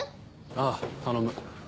ああ頼む。